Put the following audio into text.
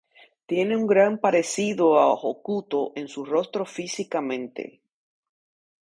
Tiene un gran parecido a Hokuto en su rostro físicamente.